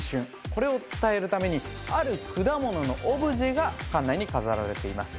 これを伝えるためにある果物のオブジェが館内に飾られています